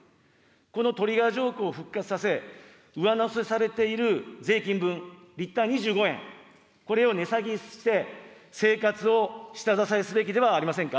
このトリガー条項を復活させ、上乗せされている税金分、リッター２５円、これを値下げして、生活を下支えすべきではありませんか。